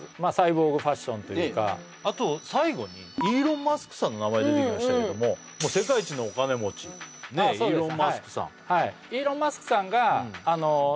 一つのあと最後にイーロン・マスクさんの名前出てきましたけども世界一のお金持ちイーロン・マスクさんイーロン・マスク